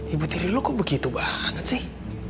ibu tiri lo kok begitu banget sih